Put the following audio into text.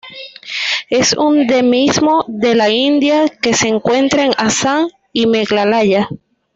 Es un endemismo de la India que se encuentra en Assam y Meghalaya.